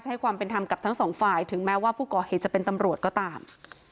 ให้ความเป็นธรรมกับทั้งสองฝ่ายถึงแม้ว่าผู้ก่อเหตุจะเป็นตำรวจก็ตาม